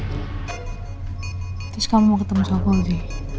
lalu kamu mau ketemu siapa lagi